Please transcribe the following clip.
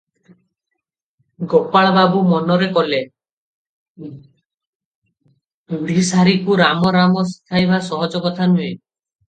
ଗୋପାଳବାବୁ ମନରେ କଲେ - ବୁଢ଼ୀ ଶାରୀକୁ ରାମ ରାମ ଶଖାଇବା ସହଜ କଥା ନୁହେ ।